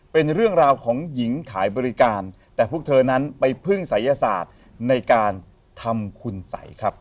เป็นเรื่องราวของหญิงขายบริการแต่พวกเธอนั้นไปพึ่งศัยศาสตร์ในการทำคุณสัยครับ